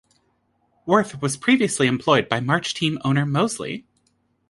Wirth was previously employed by March Team owner Mosley.